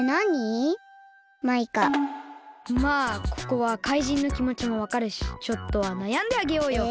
まあここはかいじんのきもちもわかるしちょっとはなやんであげようよ。